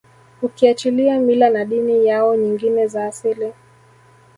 ukiachilia mila na dini yao nyngine za asili